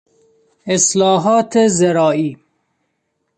اصلاحات زراعی